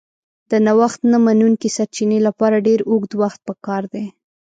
د نوښت نه منونکي سرچینې لپاره ډېر اوږد وخت پکار دی.